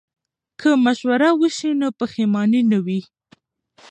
که مشوره وي نو پښیمانی نه وي.